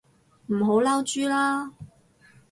唔好嬲豬啦